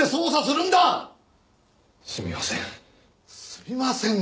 すみません。